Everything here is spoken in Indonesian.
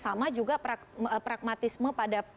sama juga pragmatisme pada